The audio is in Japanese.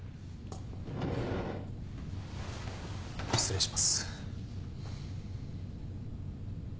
失礼します。